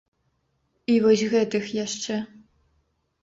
І вось гэтых яшчэ.